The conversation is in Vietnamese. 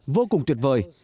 vô cùng tuyệt vời